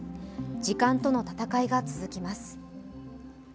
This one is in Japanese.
時間との闘いが続きます。